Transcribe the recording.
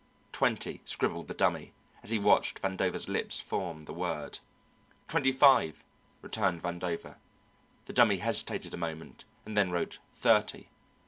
"Twenty," scribbled the Dummy, as he watched Vandover's lips form the word. "Twenty five," returned Vandover. The Dummy hesitated a moment and then wrote "thirty."